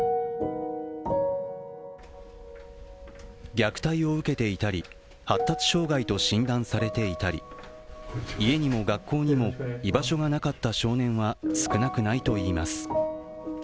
虐待を受けていたり、発達障害と診断されていたり家にも学校にも居場所がなかった少年は少なくないといいます。